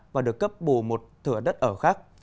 và được cấp bù một thửa đất ở khác